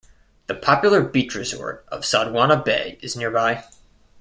The popular beach resort of Sodwana Bay is nearby.